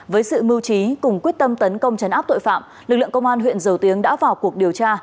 với sự mưu trí cùng quyết tâm tấn công chấn áp tội phạm lực lượng công an huyện dầu tiếng đã vào cuộc điều tra